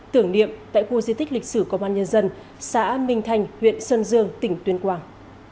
tưởng niệm tại khu di tích lịch sử công an nhân dân xã minh thanh huyện sơn dương tỉnh tuyên quang